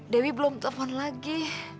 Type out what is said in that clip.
dewi belum telepon lagi